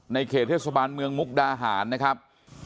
เขตเทศบาลเมืองมุกดาหารนะครับ